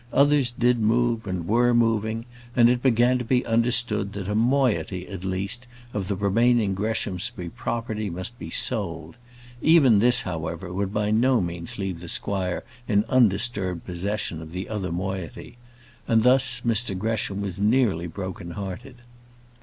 Others did move, and were moving, and it began to be understood that a moiety, at least, of the remaining Greshamsbury property must be sold. Even this, however, would by no means leave the squire in undisturbed possession of the other moiety. And thus, Mr Gresham was nearly broken hearted.